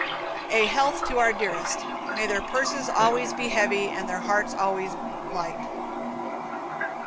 A health to Our Dearest. May their purses always be heavy and their hearts always light.